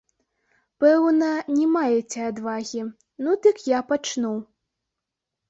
Пэўна, не маеце адвагі, ну дык я пачну.